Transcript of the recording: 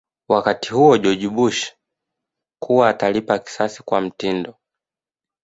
wakati huo George Bush kuwa atalipa kisasi kwa mtindo